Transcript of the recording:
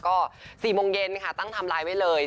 ก็๔โมงเย็นค่ะตั้งไทม์ไลน์ไว้เลย